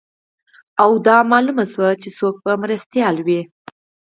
او دا معلومه شوه چې څوک به مرستیال وي